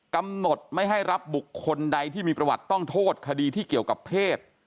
กำหนดไม่ให้รับบุคคลใดที่มีประวัติต้องโทษคดีที่เกี่ยวกับเพศ